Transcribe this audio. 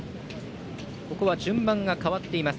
ここは順番が変わっています。